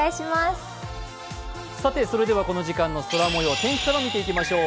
この時間の空もよう天気から見ていきましょう。